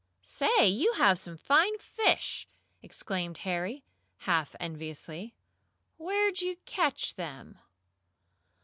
"Say, you have some fine fish!" exclaimed Harry, half enviously. "Where'd you catch them?"